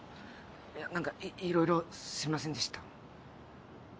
いやなんかいろいろすみませんでした。